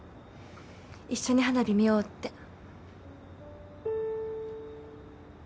一緒に花火見ようって。